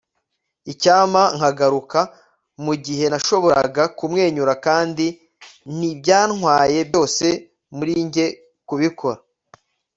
icyampa nkagaruka mu gihe nashoboraga kumwenyura kandi ntibyantwaye byose muri njye kubikora